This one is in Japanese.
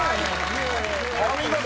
お見事！］